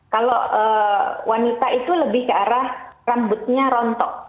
kalau wanita itu lebih ke arah rambutnya rontok